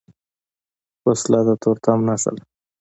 وسله د تورتم نښه ده